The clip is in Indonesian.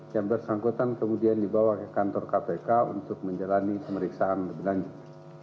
yang bersangkutan kemudian dibawa ke kantor kpk untuk menjalani pemeriksaan lebih lanjut